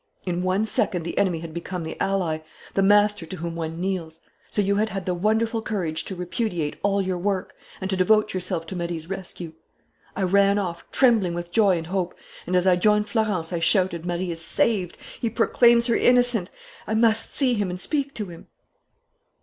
In one second the enemy had become the ally, the master to whom one kneels. So you had had the wonderful courage to repudiate all your work and to devote yourself to Marie's rescue! I ran off, trembling with joy and hope, and, as I joined Florence, I shouted, 'Marie is saved! He proclaims her innocent! I must see him and speak to him!'...